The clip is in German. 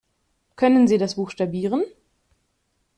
Können Sie das buchstabieren?